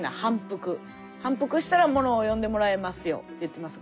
反復したらものを読んでもらえますよって言ってます。